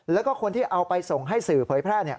แล้วก็คนที่เอาไปส่งให้สื่อเผยแพร่